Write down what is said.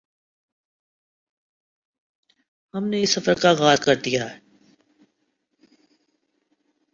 ہم نے اس سفر کا آغاز کردیا ہے